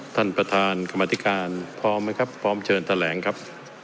ท่านประธานกรรมธิการพร้อมไหมครับพร้อมเชิญแถลงครับ